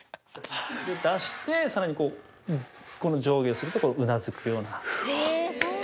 出してさらに上下するとうなずくような。